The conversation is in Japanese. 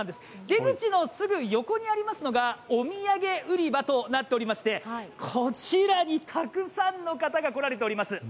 出口のすぐ横にありますのがお土産売り場となっていましてこちらにたくさんの方が来られております。